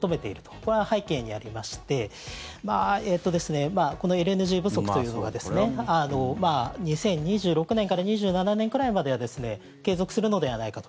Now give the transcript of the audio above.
これは背景にありましてこのＬＮＧ不足というのが２０２６年から２７年くらいまでは継続するのではないかと。